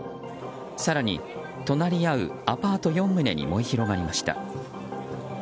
更に、隣り合うアパート４棟に燃え広がりました。